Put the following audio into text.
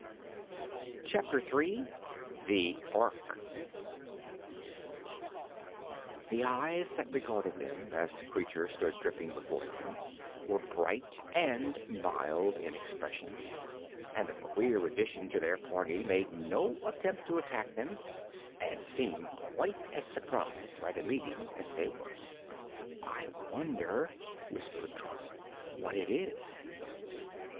Chapter Three The Ork The eyes that regarded them, as the creature stood dripping before them, were bright and mild in expression, and the queer addition to their party made no attempt to attack them and seemed quite as surprised by the meeting as they were. "I wonder," whispered Trot, "what it is."